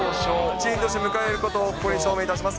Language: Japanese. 一員として迎えることをここに証明いたします。